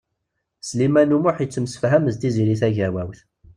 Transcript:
Sliman U Muḥ yettemsefham d Tiziri Tagawawt.